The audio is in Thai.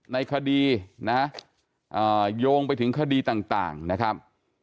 ในคดีนะโยงไปถึงคดีต่างนะครับ